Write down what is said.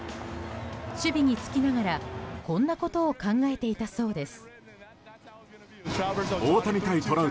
守備に就きながら、こんなことを考えていたそうです。